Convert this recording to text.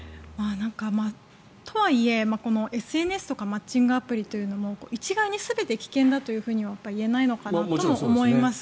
とはいえ、ＳＮＳとかマッチングアプリというのも一概に全て危険だというふうには言えないと思います。